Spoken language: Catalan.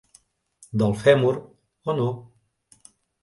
Del fèmur, o no?